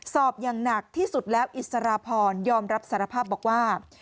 สอบอย่างหนักที่สุดแล้วอิสรพรยอมรับสารภาพบอกว่า